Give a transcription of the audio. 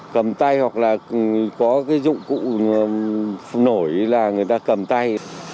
cầm tay hoặc là có cái dụng cụ nổi là người ta cầm tay